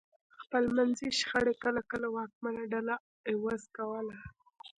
خپلمنځي شخړې کله کله واکمنه ډله عوض کوله